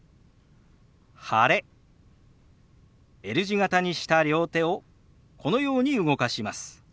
Ｌ字形にした両手をこのように動かします。